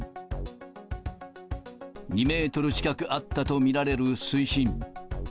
２メートル近くあったと見られる水深。